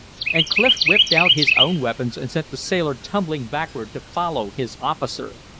And Clif whipped out his own weapons and sent the sailor tumbling backward to follow his officer.